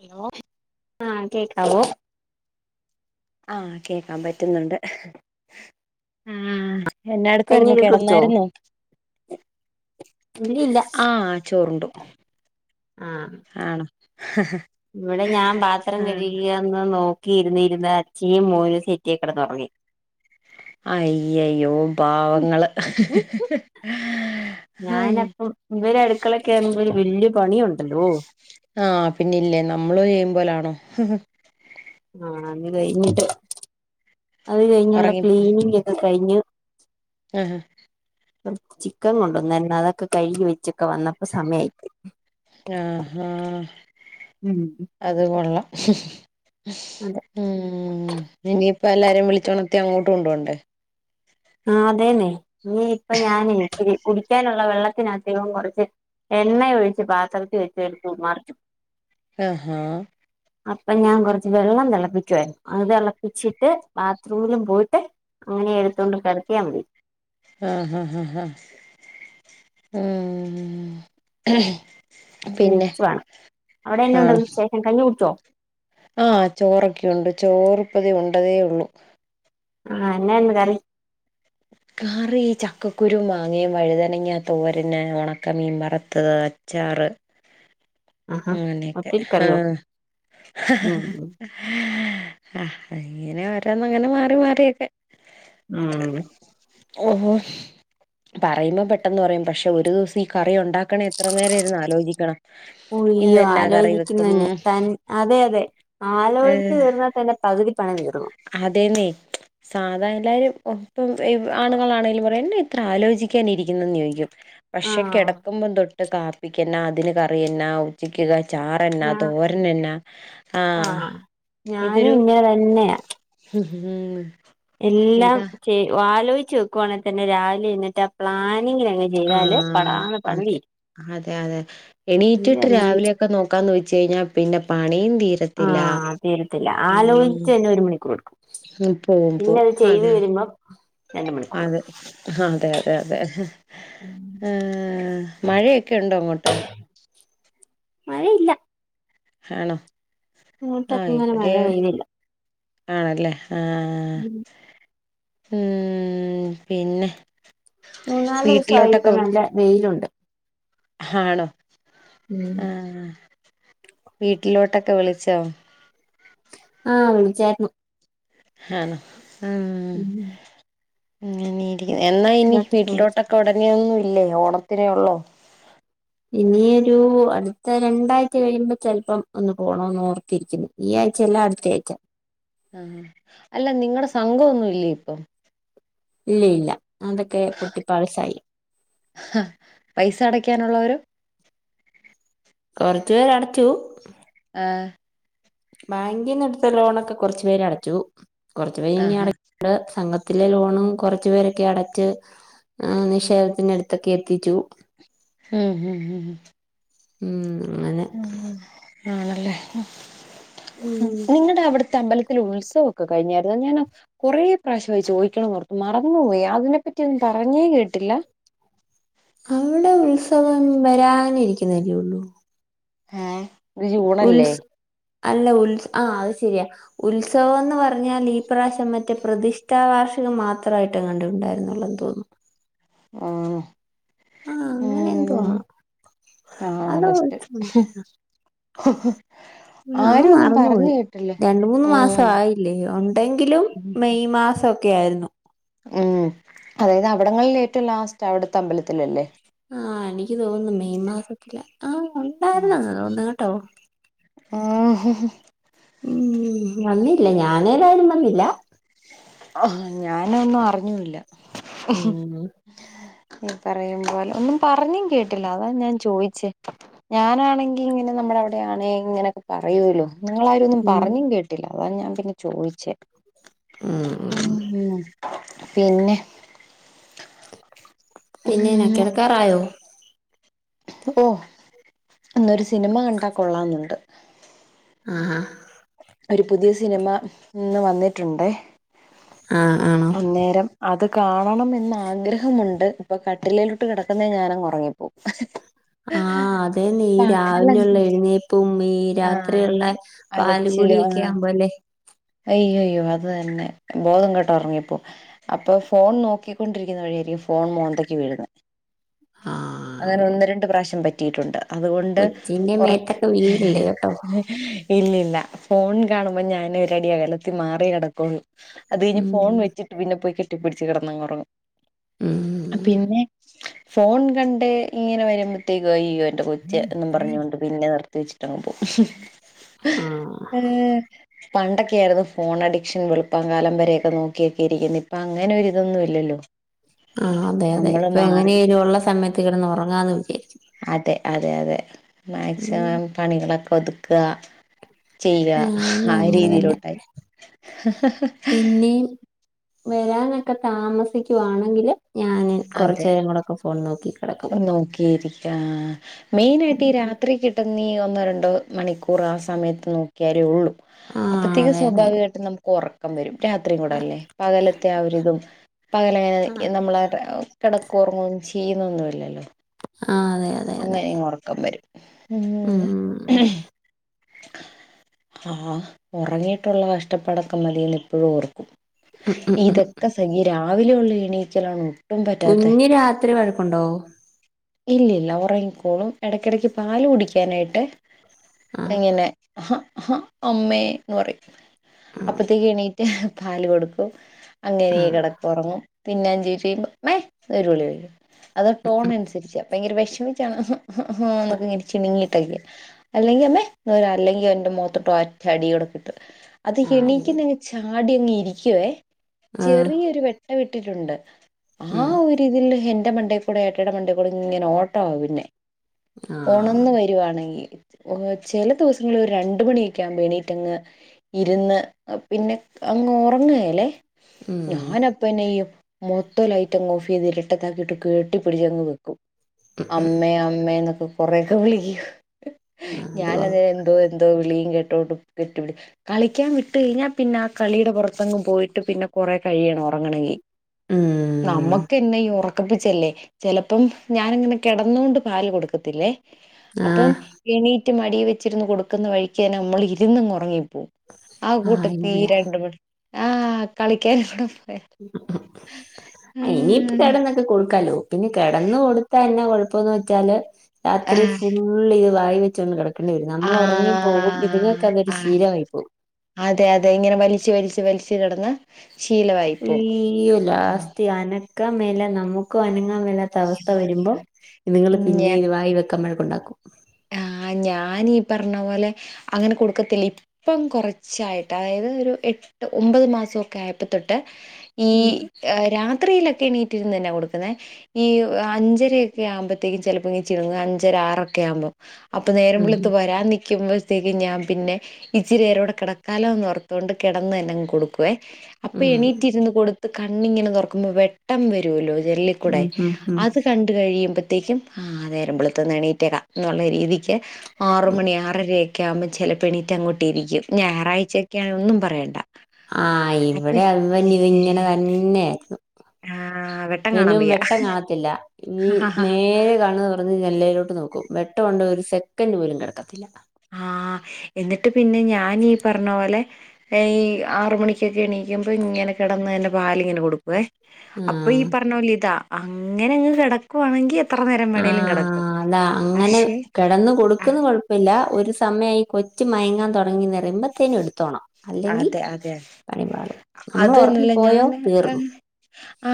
Hello ആ കേക്കാവോ ആ കേക്കാൻ പറ്റുന്നുണ്ട് ആഹ് എന്ന എടുക്കായിരുന്നു കഞ്ഞിയൊക്കെ കുടിച്ചോ കിടന്നായിരുന്നൊ ഇല്ലില്ല ആ ചോറുണ്ടു ആഹ് ആണ്‌ ഇവിടെ ഞാൻ പാത്രം കഴികുക ഇങ്ങനെ നോക്കി ഇരുന്നിരുന്ന് അച്ചിയും മോനും സെറ്റി കിടന്നുറങ്ങി അയ്യയ്യോ പാവങ്ങൾ അയി ഇവരെ അടുക്കളേ കേറുമ്പോൾ ഒരു വല്യ പണി ഉണ്ടല്ലോ ആ പിന്നെല്ലേ നമ്മള് ചെയ്യുമ്പോലാണോ ആ അത് കഴിഞ്ഞിട്ട് അത് കഴിഞ്ഞുള്ള ക്ലീനിങ് ഒക്കെ കഴിഞ്ഞ് അ ആഹ് ചിക്കൻ കൊണ്ടൊർന്നു അതൊക്കെ കഴുകി വെച്ചൊക്കെ വന്നപ്പോ സമയ ആയി ആഹ അത് കൊള്ളാം അതെ ഉം ഇനിയിപ്പ എല്ലാരേയും വിളിച്ചുണത്തി അങ്ങോട്ട് കൊണ്ട് പോണ്ടേ ആ അതേന്നെ നീ ഇപ്പൊ ഞാന് കുടിക്കാനുള്ള വെള്ളത്തിനതികവും കുറച്ച് എണ്ണ ഒഴിച്ച് പാത്രത്തിൽ വെച്ച് ഇരുന്നു മറിച്ചു ആഹാ അപ്പൊ ഞാൻ കുറച്ച് വെള്ളം തിളപ്പിക്കുവായിരുന്നു അത് തിളപ്പിച്ചിട്ട് ബാത്റൂമിലും പോയിട്ട് അങ്ങനെ എടുത്തൊണ്ട് കിടത്തിയാ മതി ആഹാ ഹ ഹാ ഉം പിന്നെ അവിടെ എന്നാ ഉണ്ട് വിശേഷം കഞ്ഞി കുടിച്ചുവോ ആ ചോറൊക്കെയുണ്ട് ചോറുപ്പതേ ഉണ്ടതേ ഉള്ളൂ ആഹ് എന്നാ ഇന്ന് കറി കറി ചക്കക്കുരുമാങ്ങയും വഴ്തനങ്ങാ തോരന് ഒണക്കമീൻ വറ്ത്തത്. അച്ചാറ് ആഹാ അങ്ങനെയൊക്കെ ഒത്തിരി കറിയോ ഉം ആഹ് ആഹ് അങ്ങനെ ഓരോന്ന് അങ്ങനെ മാറി മാറിയൊക്കെ ഉം ഓഹോ പറയുമ്പ പെട്ടെന്ന് പറയും പക്ഷെ ഒരു ദിവസം ഈ കറി ഒണ്ടാക്കണേ എത്ര നേരയിര്ന്ന് ആലോചിക്കണം. അയ്യോ ഇന്നെന്നാ കറി വെക്കും ആലോചിക്കുന്നന് തൻ അതെ അതെ ആലോചിച്ച് തീർന്നാ തന്നെ പകുതിപ്പണിതീരും. അതെന്നെ സാധായെല്ലാരും ഇപ്പം ഇ ആണുങ്ങളാണെലും പറയും എന്നാ ഇത്ര ആലോചിക്കാനിരിക്കുന്നത് ചോദിക്കും പക്ഷെ ആഹ് കെടക്ക്‌മ്പതൊ ന്ന് കാപ്പിക്കെന്നാ അതിന് കറിയെന്നാ ഉച്ചക്ക് ക ചാറെന്നാ ഞാ തോരൻനെന്നാ ആഹ് ഇതൊരു ഇങ്ങനെതന്നെയാ ഉം എല്ലാം ചെ ആലോയിച്ച് വെക്കുവാണെതന്നെ രാവിലെ എഴുന്നേറ്റ് ആ പ്ലാനിങ്ങിലങ്ങ് ചെയ്താല് ആഹ് പടാന്ന് പണി അതെ തീരും അതെ അതെ ഇനി എണീറ്റിട്ട് അല്ലെങ്കിൽ രാവിലെയൊക്കെ നോ ക്കാന്ന് വച്ച്കഴിഞ്ഞാ പിന്നെ പണിയും തീര ആഹ് തീരത്തില്ല ആലോചിച്ച് തന്നെ ഒരു മണിക്കൂറെടുക്കും. പിന്നെ അത് ചെയ്ത് വര്മ്പം അത് അതെ അതെ അതെ ആഹ് മഴയൊക്കെ ഒണ്ടോ അങ്ങോട്ട്? മഴയില്ല. ആണോ ഇങ്ങോട്ടൊക്കെ ആഹ് ഇങ്ങനെ ഇവ്ടെ മഴ പെയ്തില്ല ആണല്ലേ ആഹ്. ആഹ് ഉം പിന്നെ മൂന്നാലെവസായി വീട്ടിലോട്ടൊക്കെ ഇപ്പ നല്ല വെയിലൊണ്ട്. ഹാണോ ഉം ആഹ് വീട്ടിലോട്ടൊക്കെ വിളിച്ചോ? ആഹ് വിളിച്ചാര്ന്നു. ഹാണോ ഉം അങ്ങനെയിരിക്ക്‌ എന്നായിനി വീട്ടിലോട്ട്? പ്പഒടനെയൊന്നുംയില്ലേ? ഓണത്തിനേ ഒള്ളോ? ഇനിയൊരു അട്ത്ത രണ്ടാഴ്ച്ച കഴിയുമ്പ ചെലപ്പം ഒന്ന് പോണംന്ന്ഓർത്തിരിക്കുന്നു. ഈ ആഴ്ച്ചയല്ല അട്ത്തെയാഴ്ച്ചേ. ആഹ് അല്ല നിങ്ങടെ സംഘം ഒന്നുംയില്ലേ ഇപ്പം? ഇല്ല ഇല്ല അതൊക്കെ പൊട്ടിപാളീസായി. പൈസ അടക്കാനൊള്ളവരൊ? കൊറച്ച്പേരടച്ചു ആഹ്. ബാങ്കിന്ന് എട്ത്ത ലോണൊക്കെ കൊറച്ചുപേരടച്ചു കൊറച്ചുപേര് യിനിഅട ആഹ് ണ്ട് സംഘത്തിലെ ലോണും കൊറച്ച്പേരൊക്കെയടച്ച് ആഹ് നിഷേപത്തിന്റെ അട്ത്തൊക്കെയെത്തിച്ചു. - ഉം ഉം ഉം ഉം. ഉം ങ്ങനെ. ഉം ആണല്ലേ ഉം നിങ്ങടെ അവ്ട്ത്തെ അമ്പല ത്തിൽ ഉത്സവൊക്കെ കഴിഞാര്ന്നോ ഞാനാ കൊറേ പ്രാവശ്യവായി ചോയിക്കണോന്നോർത്തു മറന്ന്പോയി അതിനെപ്പറ്റി ഒന്നും പറഞ്ഞേകേട്ടില്ല. അവിടെ ഉത്സവം വരാനിരിക്ക്ന്നല്ലേഒള്ളൂ ‌ ഏഹ്. ഇത് ജൂണല്ലേ ഉൽസ് അല്ല ഉൽസ് ആഹ് അത്ശെരിയാ ഉത്സവോന്ന് പറഞ്ഞാൽ ഈ പ്രാവശ്യം മറ്റേ പ്രതിഷ്ഠാ വാർഷികം മാത്രായി ട്ടങ്ങാണ്ട് ഉണ്ടായിരുന്നുള്ളെന്ന് തോന്നുന്നു. ആ‌ന്നോ ആ അങ്ങനെ എന്തുവാ ഉം ആഹ്‌ അതോ ബെസ്റ്റ് ഉത്സവമുണ്ടായിരുന്നു. ഞാൻ ആരും ഒന്നും പറഞ്ഞ് മറന്നുപോയി കേട്ട് രണ്ട് മൂന്ന് മാസവായില്ലേ ഒണ്ടെങ്കിലും മെയ് മാസോക്കെ ആരുന്നു ഉം അതായത് അവിടങ്ങളിൽ ഏറ്റോം ലാസ്റ്റവിടുത്തെ അമ്പലത്തിലല്ലേ? ആഹ്‌ എനിക്ക് തോന്നു മെയ് മാസത്തില ആഹ്‌ ആഹ്- ഉം വന്നില്ല ഞാനേതായാലും വന്നില്ല. ആഹ് ഞാനൊന്നും അറിഞ്ഞൂല്ല. ഉം ഈ പറയുമ്പോലെ ഒന്നും പറഞ്ഞും കേട്ടില്ല അതാ ഞാൻ ചോയിച്ചേ. ഞാനാണെങ്കി ഇങ്ങന നമ്മട അവിടെ ആണേ ഇങ്ങനൊക്കെ പറയോല്ലോ നിങ്ങളാരും ഒന്നും ഉം പറഞ്ഞും കേട്ടില്ല അതാ ഞാൻ പിന്നെ ചോയിച്ചേ. ഉം. ഉം പിന്നെ? പിന്നെ ഞാൻ ഉം കെടക്കാറായോ? ഓ ഇന്നൊരു സിനിമ കണ്ടാ കൊള്ളാന്നൊണ്ട് ആഹ്‌ ഒരു പുതിയ സിനിമ ഇന്ന് വന്നിട്ടൊണ്ടേ ആഹ്‌ ആഹ്‌ അന്നേരം അത് കാണണംന്ന് ആഗ്രഹമുണ്ട് ഇപ്പൊ കട്ടിലിലേലോട്ട് കെടക്കുന്നേ ഞാനങ്ങ് ഒറങ്ങും ആഹ്‌ അതേന്നെ ഈ പകലങ്ങ് രാവിലെയൊള്ള എഴുന്നേ പൂം ഈ രാത്രിയിള്ള ആഹ് അലച്ചില് പാലുകുടീക്കെ ആഹ് ആവുമ്പോ അല്ലേ അയ്യയ്യോ അത് തന്നെ ബോധം കേട്ട് ഒറങ്ങിപ്പോം അപ്പൊ ഫോൺ നോക്കിക്കൊണ്ടിരിക്കുന്ന വഴിയാരിക്കും ഫോൺ മോന്തയ്ക്ക് വീഴുന്നെ ആഹ് അങ്ങനെ അടിപൊളി ഒന്ന് രണ്ട് പ്രാവശ്യം പറ്റിയിട്ടൊണ്ട് അതുകൊണ്ട് കൊച്ചിന്റെ ഒറ മേത്തൊക്കെ ഏഹ് വീഴില്ലേ കേട്ടോ ഇല്ലില്ല ഫോൺ കാണുമ്പോ ഞാനൊരടി അകലത്തി മാറിയെ കെടക്കോള്ളൂ അത് കഴിഞ്ഞ് ഉം ഫോൺ വെച്ചിട്ട് പിന്നെ പോയി കെട്ടിപ്പിടിച്ച് കെടന്നങ്ങുറങ്ങും ഉം പിന്നെ ഫോൺ കണ്ട് ഇങ്ങനെ വരുമ്പ എന്റെ കൊച്ച് എന്നും പറഞ്ഞോണ്ട് പിന്നെ നിർത്തി വെച്ചിട്ടങ് പോം ആഹ് ഏഹ് പണ്ടക്കെയാരുന്നു ഫോൺ അഡിക്ഷൻ വെളുപ്പാം കാലം വരേക്ക നോക്കിയക്കെ ഇരിക്കുന്ന് ഇപ്പ അങ്ങനെ ഒര് ഇതൊന്നും ഇല്ലല്ലോ ആഹ്‌ അതെ അതെ നമ്മള് ഇപ്പ മാറി എങ്ങനേലും ഒള്ള സമയത്ത് കെടന്ന് ഒറങ്ങാന്ന് വിചാരിക്കും അതെ അതെ അതെ ഉം മാക്സിമം പണികളൊക്ക ഒതുക്കാ ചെയ്യാ ഞാനും ആ അങ്ങനെ തന്നെ രീതിയിലോട്ടായി നീൻ വരാനൊക്ക താമസിക്കുവാണെങ്കില് ഞാന് കൊറച്ച് നേരം കൂടൊക്ക ഫോൺ നോക്കി കെടക്കും നോക്കിയരിക്കും അഹ് മെയിനായിട്ട് ഈ രാത്രി കിട്ടുന്നീ ഒന്നോ രണ്ടോ മണിക്കൂറ് ആ സമയത്ത് നോക്കിയാലേ ഉള്ളു ആഹ് അപ്പത്തേക്ക് അതെ അതെ അതെ സ്വാഭാവികായിട്ടും നമുക്ക് ഒറ ക്കം വരും രാത്രിയും കൂടല്ലേ പകലത്തെ ആ ഒരിതും പകലങ്ങനെ ഇ ആഹ് നമ്മള് കേടക്കോം ഒറങ്ങോ ഒന്നും ചെയ്യുന്നൊന്നും ഇല്ലല്ലോ ആഹ് അതെ അതെ അതെ അങ്ങനെയങ്ങ് ഒറക്കം വരും ഉം മ്മ് ആഹ്‌ ഒറങ്ങീട്ടൊള്ള കഷ്ടപ്പാടക്ക മതീന്ന് ഇപ്പഴും ഓർക്കും ഉം ഉം ഉം ഇതക്കെ സഖി ഈ രാവിലെ ഒള്ള എണീക്കലാണ് പറ്റാത്തെ കുഞ്ഞ് രാത്രി വഴക്കുണ്ടോ? ഇല്ലില്ല ഉറങ്ങിക്കോളും എടക്കടക്ക് പാല് കുടിക്കാനായിട്ട്. ആഹ് എങ്ങനെ ഹ ഹ അമ്മേ ന്ന്പറിം. ആഹ് അപ്പത്തേക്ക് എണീറ്റ് പാല് കൊടുക്കും അങ്ങനെ ആഹ് കെടാ ഒറങ്ങും പിന്നെ അഞ്ച്ൻറ്റ് ഴിഞ്ഞ മ്മേ എന്ന് വിളിക്കും അത് ട്ടോൺ ന- അപ്പയ്ങ്ങരെ വേഷ്മിച്ച ഹ ഹ ഹ ന്നൊക്കെ ങ്ങനെ ചുണുങ്ങിട്ടൊക്ക. അല്ലങ്കി അമ്മേ ന്ന ലാ അല്ലങ്കിൽ എന്റെ മൊത്തോട്ട് ഒറ്റടി ഓടക്കിട്ടും അത് ആഹ് അടിപൊളി എണീക്കുന്നെ - ചാടിയങ്ങ് ഇരിക്കുവേ ആഹ് ചെറിയൊരു വേട്ടവിട്ടിട്ടുണ്ട് ആ ഉം ഒര് - ട്ടി തിൽ എന്റെ മന്റെകൂടെ ഏട്ടടെ മണ്ടെകൂടെ ങ്ങനെ ഓട്ട പിന്നെ. ആഹ് ഓണന്ന് വരുവാണങ്ങി. ഓ ചെല ദിവസങ്ങളി ലൊരണ്ട് മാനിക്കാവുമ്പോ നീറ്റങ്ങ്. ഇര്ന്ന് അ ഹ പിന്നെ അങ്ങ് ഉറങ്ങല്ലേ. ഉം ഞാനപ്പനെയും മൊത്തം ലൈറ്റഅങ് ഓഫയ്ത് ഇരട്ടത്താക്കിട്ട് കെട്ടി പിടിച്ചങ്ങ് കെ പ്പോ അമ്മേ അമ്മേ ന്നൊക്കെ കൊറേക്ക വിളികും. ഹ് ഹ് ആഹ് അത് ഞാനതേ കൊള്ളാം എന്തോ എന്തോ വിളിയും കേട്ടോണ്ട് കെട്ടിപി കളിക്കാൻ വിട്ട് കഴിഞ്ഞാ പിന്നാകളിയുടെ പുറത്തങ്ങ് പോയിട്ട് പിന്നെ കൊറ കഴിയണം ഉറങ്ങണങ്കിൽ. ഉം. നമക്കന്ന ഇ ഒറക്കിപ്പിച്ചല്ലേ ചില ഉം ഞാൻങ്ങനെ കെടന്നൊണ്ട് പാല് കൊടുക്കത്തില്ലേ ആഹ് അപ്പം- എണീറ്റ് മടി വെച്ചിരുന്ന് കൊടുക്കുന്ന വഴിക്കന്നെ മ്മൾ ഇര്ന്നങ്ങ് ഒറങ്ങിപ്പോവും. ആഹ ആഹ് കൂട്ടത്തീ ഇല്ല രണ്ട് മ ആഹ കളിക്കൻ അവിടെ പോകും അഹ ഇനീപ്പോ കെടന്ന്ട്ട് കൊടുക്കാലോ. പിന്നെ കെടന്ന് കൊടുത്താ എന്ന കുഴപ്പംന്ന് വെച്ചാല് രാത്രി ആഹ് ഫുള്ള്ത് വായി വെച്ചൊണ്ട് കിട പിന്നെ നമ്മളൊറങ്ങി പോകും ആഹ് ഇതുങ്ങൾക്കതൊരു ആഹ് ശീലയി പോവും. അതെ അതെ ഇങ്ങനെ വലിച്ച് വലിച്ച് വലിച്ച് കെടന്ന ശീലവായി പോവും. ഇയോ ലാസ്റ്റ് അനക്ക മേലെ നമുക്കും അനങ്ങാ മേല- ത്ത അവസ്ഥ വരുമ്പോ ഇത്ങ്ങൾ ഞ പിന്നെ ഇത് വായി വെക്കൻ വഴക്കുണ്ടാക്കും. ആഹ് ഞാനീ പറഞ്ഞ പോലെ അങ്ങനെ കൊടുക്കത്തില്ല. പ്പം കൊറച്ചായിട്ട് ആയത് ഒരു എട്ട് ഒമ്പത് മാസൊക്കെ ആയപ്പത്തൊട്ട്. ഈ ഉം എ രാത്രിയിലൊക്കെ ണീറ്റ്ര്ന്നന്നെ കൊട്ക്ക്ന്നേ ഈ അഞ്ചരയ രെ ആവുമ്പത്തേക്ക് ചിലപ്പോഇ ചില്ങ്ങ അഞ്ചര ആറൊക്കവുമ്പോ അപ്പൊ നേരം വള്ത്ത് വരാൻനിക്കുമ്പോ - ത്തേക്കും ഞാൻ പിന്നെ ഇച്ചിരി രേറുംകൂടെ കെടക്കാലോ ന്നോർത്ത് കെടന്നങ്ങ് കൊടുക്കുവേ. ഉം അപ്പൊ എണീറ്റ് ഇരുന്ന് കൊടുത്ത് കണ്ണിങ്ങനെ തുറക്കുമ്പോ വെട്ടം വരുല്ലോ. ജനലീകൂടെ ഉം ഉം ഉം അത് കണ്ട് കഴിയുമ്പത്തേക്കും ആഹ നേരം ബൾത്ത ന്നെണീട്ടേക്കാന്നുള്ളരീതി. ക്യ ആർ മണി ആറരയി. ക്കാ വുമ്പോ ചിലപ്പ ണീറ്റങ്ങോട്ടിരിക്കും ഞായറാഴ്ചൊക്കെയാണ് ഒന്നുംപറയണ്ട. ആഹ് ഇവടെ അത്‌ തന്നെ ഇത് ങ്ങനെ തന്നെയിരുന്നു. ആഹ് വെട്ടം കാണാൻ വനും വയ്യ വെട്ടം കാണത്തില്ല ഈ നേർ കണ് ണെ- അത് ജൻലെലേട്ട് നോക്കും വെട്ടണ്ടോ ഒരു സെക്കൻ് പോലും കെടക്കത്തില്ല. ആഹ എന്നിട്ട് പിന്നെ ഞാനീ പറഞ്ഞ പോലെ. എയ് ആർ മണിക്കൊക്കെ എണീക്കുമ്പോ ഇങ്ങനെ കിടന്നന്നെ പാൽങ്ങകൊടുക്കും. വെ അപ്പൊ ഈ ആഹ് പറഞ്ഞോ ലീതാ അങ്ങനെ അങ്ങ് കിടക്കുവാണെങ്കി- ത്ര നേരം വേണെേലും കെടക്കും ആഹ് അതാ പക്ഷെ ആഹ പ്പല്ല ഒരു സമയി കൊച്ചു മയങ്ങാൻ തുടങ്ങിന്നറിയുമ്പത്തേനും എടുത്തോണം. അല്ലെങ്കിൽ അതെ അതെ പണിപാളും നമ്മൾ അത് ഉറങ്ങിപ്പോയോ തീർന്നു. ആ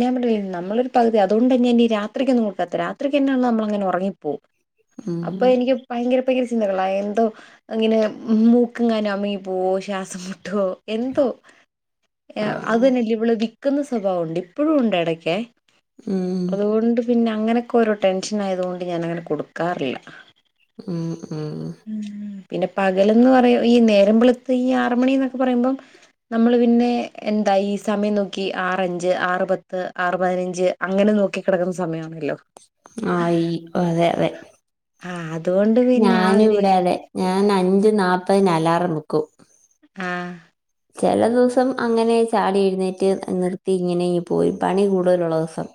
ഞ പറഞ്ഞി നമ്മളൊരു പകുതി അുതുകൊണ്ടന്നീ രാത്രി ക്കൊന്നും കൊടുക്കത്ത രാത്രിക്ക് തന്നെ നമ്മളങ്ങ ഉറങ്ങിപ്പോവും. അപ്പൊ ഉം എനികും - ഭയങ്കര പയങ്കര ചിന്തകളായി എന്തോ ഇങ്ങനെ മൂക്കങ്ങാനു അമിങ്ങി പോവോ. ഗ്യാസം മുട്ടോ എന്തോ എഹ ആഹ് അതി നല്ലി ബ്ളാകി - ക്ക്ന്ന സ്വഭാവുണ്ട് ഇപ്പഴുണ്ട് എടക്കെ ഉം അതോണ്ട്. പിന്നെ അങ്ങനെക്കെരോ ടെൻഷനായതോണ്ട് ഞാനങ്ങനെ കൊടുക്കാറില്ല. ഉം ഉം പിന്നെ പകലന്ന് പറയാം ഈ നേരമ്പളുത്ത് ഈ ആറ മണി എന്നൊക്കെ പറയുമ്പോം നമ്മൾ പിന്നെ എന്താ ഈ സമയം നോക്കി ആറഞ്ച് ആറുപത്ത് ആറുപതിനഞ്ച് അങ്ങനെ നോക്കി കിടക്കുന്ന സമയമാണല്ലോ ആഹ ഈ അതെ അതെ ആ അതുകൊണ്ട് പിന്നെ ആ ഞാനും ഒരു ഇവിടെ അടെ ഞാൻ അഞ്ച് നാൽപ്പതിന് അലാറം വക്കും ആഹ് ചെല ദിവസം അങ്ങനെ ചാടി എഴുന്നേറ്റ് നിർത്തി ഇങ്ങനെ പോയി പണി കൂടുതലുള്ള ദിവസം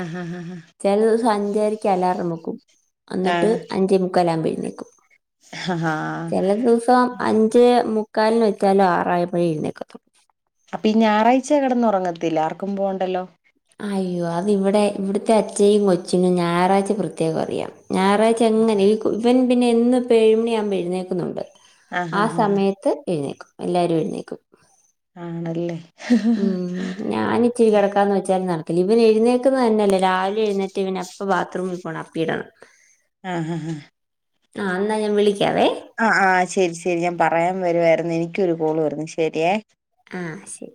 ആഹ് ആഹ് ആഹ് ആഹ് ചെല ദിവസം അഞ്ചരക്ക് അലാറം വെക്കും അന്നിട്ട് ആ അഞ്ചേ മുക്കാലാവുമ്പോ എഴുന്നേക്കും ആ ചെല ദിവസം അഞ്ചേ മുക്കാലിന് വെക്കലാ ആറായപ്പാ എഴുന്നേക്കാ അപ്പ ഈ ഞായറാഴ്ച കടന്ന് ഉറങ്ങത്തില്ല ആർക്കും പോവണ്ടല്ലോ അയ്യോ അത് ഇവിടെ ഇവിടുത്തെ അച്ചയും കൊച്ചിനും ഞായറാഴ്ച പ്രത്യേകം അറിയാം ഞായറാഴ്ച പ്പങ്ങനെ ഈ കു ഇവൻ പിന്നെ എന്നും ഇപ്പൊ എഴുമണി ആവുമ്പോ എഴുന്നേക്കുന്നുണ്ട് ആ സമയത്ത് എഴുന്നേക്കും എല്ലാരും എഴുന്നേക്കും ആണല്ലേ ഉം ഞാന് ഇച്ചിരി കെടക്കാന്ന് വെച്ചാൽ നടക്കില്ല ഇവൻ എഴുന്നേക്കുന്ന തന്നെയല്ലേ രാവിലെ എഴുന്നേറ്റ ഇവ ഇപ്പൊ ബാത്റൂമിൽ പോണം അപ്പീ ഇടണം ആഹ് ആഹ് ആഹ് ആഹ് ഇന്നാ ഞാൻ വിളിക്കാവേ ആഹ് ആഹ് ശരി ശരി ഞാൻ പറയാൻ വരുവായിരുന്നു എനിക്ക് ഒരു കോള് വരുന്നു ശരിയേ ആഹ് ശരി